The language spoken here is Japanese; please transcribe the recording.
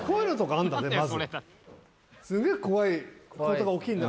すげえ怖いことが起きるんだ。